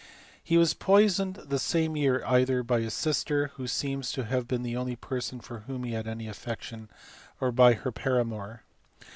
He was poisoned the same year either by his sister, who seems to have been the only person for whom he had any affection, or by her paramour.